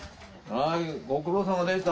はいご苦労さまでした